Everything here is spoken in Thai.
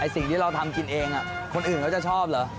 สิ่งที่เราทำกินเองคนอื่นเขาจะชอบเหรอ